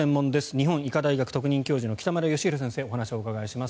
日本医科大学特任教授の北村義浩先生にお話を伺います。